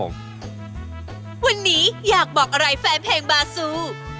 วันนี้อยากบอกอะไรแฟนเพลงบาซู